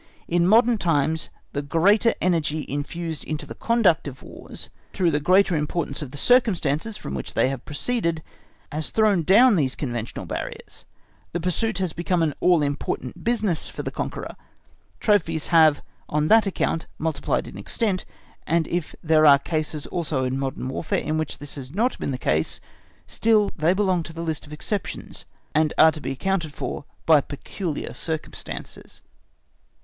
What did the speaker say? In modern times the greater energy infused into the conduct of Wars through the greater importance of the circumstances from which they have proceeded has thrown down these conventional barriers; the pursuit has become an all important business for the conqueror; trophies have on that account multiplied in extent, and if there are cases also in modern Warfare in which this has not been the case, still they belong to the list of exceptions, and are to be accounted for by peculiar circumstances.